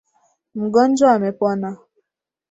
Mgonjwa amepona